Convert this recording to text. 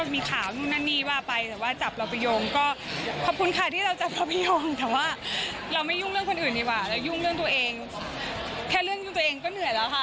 ไม่ไม่มีใครไม่มี